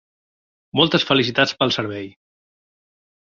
Moltes felicitats pel servei!